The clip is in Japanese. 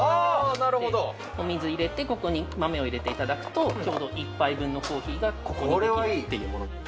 なるほどお水入れてここに豆を入れていただくとちょうど１杯分のコーヒーがここにできるっていうものです